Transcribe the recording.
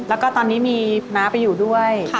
แล้วก็ตอนนี้มีน้าไปอยู่ด้วย